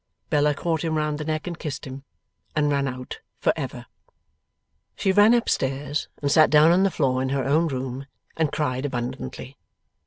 Bella caught him round the neck and kissed him, and ran out for ever. She ran up stairs, and sat down on the floor in her own room, and cried abundantly.